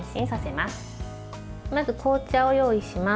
まず紅茶を用意します。